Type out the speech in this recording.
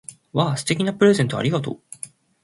わぁ！素敵なプレゼントをありがとう！